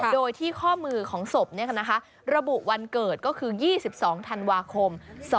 โดยที่ข้อมือของศพระบุวันเกิดก็คือ๒๒ธันวาคม๒๕๖